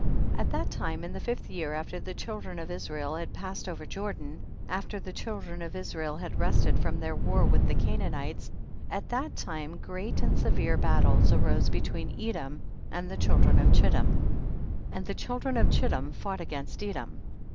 At that time in the fifth year after the children of Israel had passed over Jordan, after the children of Israel had rested from their war with the Canaanites, at that time great and severe battles arose between Edom and the children of Chittim, and the children of Chittim fought against Edom.